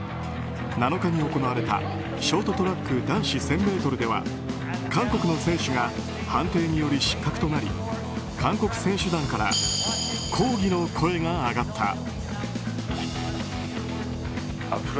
７日に行われたショートトラック男子１０００ｍでは韓国の選手が判定により失格となり韓国選手団から抗議の声が上がった。